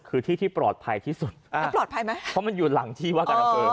คือที่ที่ปลอดภัยที่สุดอ่าแล้วปลอดภัยไหมเพราะมันอยู่หลังที่ว่าการอำเภอ